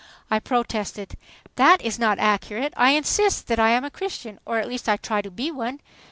I protested. "That is not accurate. I insist that I am a Christian, or at least I try to be one."